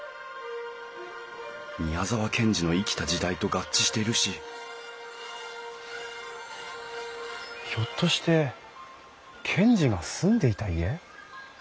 宮沢賢治の生きた時代と合致しているしひょっとして賢治が住んでいた家？